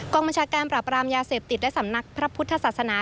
บัญชาการปราบรามยาเสพติดและสำนักพระพุทธศาสนา